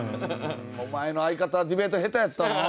お前の相方はディベート下手やったな。